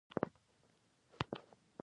دا ماڼۍ په څومره وخت کې جوړې شوې وي.